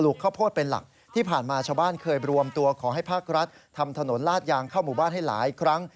ข้าวโพดเป็นหลักที่ผ่านมาชาวบ้านเคยรวมตัวขอให้ภาครัฐทำถนนลาดยางเข้าหมู่บ้านให้หลายครั้ง